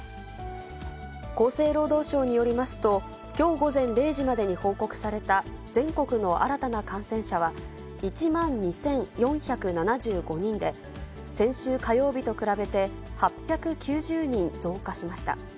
厚生労働省によりますと、きょう午前０時までに報告された全国の新たな感染者は、１万２４７５人で、先週火曜日と比べて８９０人増加しました。